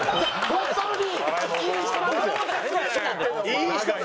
本当に。